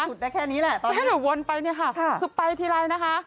สุดได้แค่นี้แหละตอนนี้สุดไปทีไรนะคะ